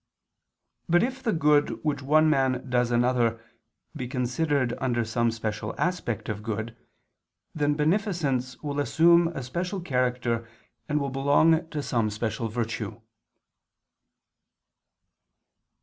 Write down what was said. But if the good which one man does another, be considered under some special aspect of good, then beneficence will assume a special character and will belong to some special virtue.